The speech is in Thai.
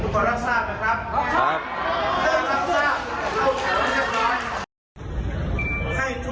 ผมคือต้อนรักษานะครับ